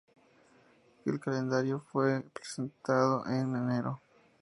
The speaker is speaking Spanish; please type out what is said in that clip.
El calendario fue presentado en enero.